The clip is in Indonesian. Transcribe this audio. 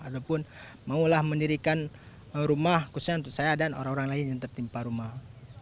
ataupun maulah mendirikan rumah khususnya untuk saya dan orang orang lain yang tertimpa rumah